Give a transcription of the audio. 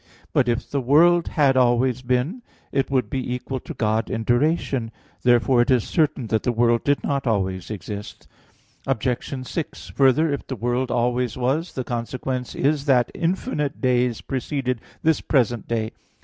But if the world had always been, it would be equal to God in duration. Therefore it is certain that the world did not always exist. Obj. 6: Further, if the world always was, the consequence is that infinite days preceded this present day.